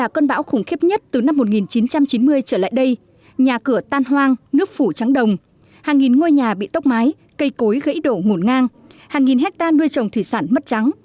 một số vùng ven biển tràn vào khiến hàng nghìn ngôi nhà bị sập hoặc tốc mái